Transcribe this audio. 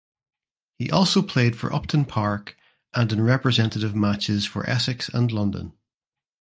He also played for Upton Park and in representative matches for Essex and London.